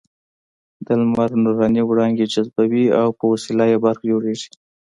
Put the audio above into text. د لمر نوراني وړانګې جذبوي او په وسیله یې برق جوړېږي.